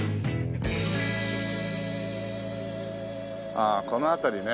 ああこの辺りね。